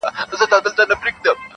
په مطبوعاتو کي رپوټونه -